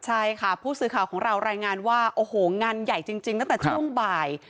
ใช่ค่ะผู้สื่อข่าวของเรารายงานว่าโอ้โหงานใหญ่จริงตั้งแต่ช่วงบ่าย